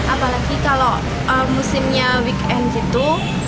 apalagi kalau musimnya weekend gitu